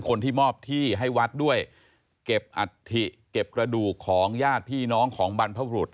คนที่มอบที่ให้วัดด้วยเก็บอัฐิเก็บกระดูกของญาติพี่น้องของบรรพบรุษ